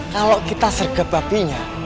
kalau kita sergap babinya